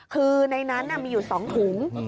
คือในนั้นมีอยู่๒ถุง